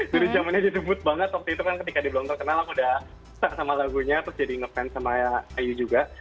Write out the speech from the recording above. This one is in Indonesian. dari zamannya ditebut banget waktu itu kan ketika diblong terkenal aku udah start sama lagunya terus jadi ngefans sama iu juga